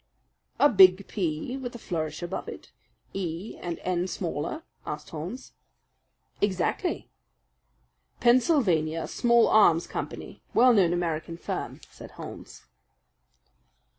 "A big P with a flourish above it, E and N smaller?" asked Holmes. "Exactly." "Pennsylvania Small Arms Company well known American firm," said Holmes.